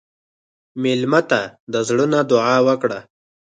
مېلمه ته د زړه نه دعا وکړه.